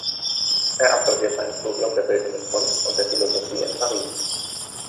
Er absolvierte ein Studium der Bildenden Kunst und der Philosophie in Paris.